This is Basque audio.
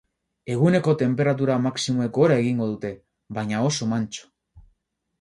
Eguneko tenperatura maximoek gora egingo dute, baina oso mantso.